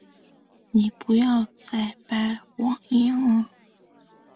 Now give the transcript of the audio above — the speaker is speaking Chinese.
你不要再掰谎言了。